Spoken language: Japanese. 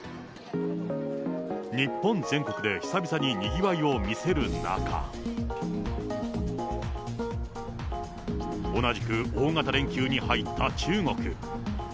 日本全国で久々ににぎわいを見せる中、同じく大型連休に入った中国。